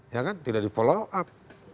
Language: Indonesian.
ya kan tidak di follow up